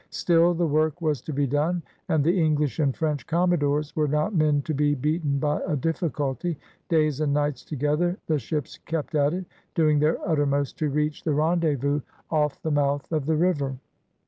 Still the work was to be done, and the English and French commodores were not men to be beaten by a difficulty. Days and nights together the ships kept at it, doing their uttermost to reach the rendezvous off the mouth of the river.